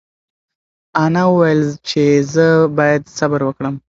انا وویل چې زه باید صبر وکړم.